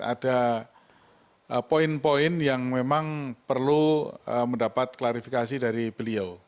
ada poin poin yang memang perlu mendapat klarifikasi dari beliau